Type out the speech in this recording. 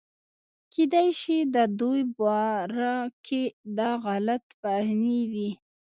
کېدے شي دَدوي باره کښې دا غلط فهمي وي